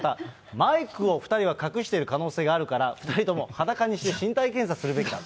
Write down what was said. マイクを２人は隠している可能性があるから、２人とも裸にして、身体検査するべきだと。